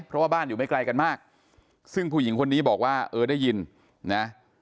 เพราะว่าบ้านอยู่ไม่ไกลกันมากซึ่งผู้หญิงคนนี้บอกว่าเออได้ยินนะ